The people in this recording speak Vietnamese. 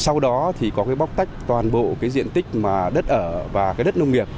sau đó thì có bóc tách toàn bộ diện tích đất ở và đất nông nghiệp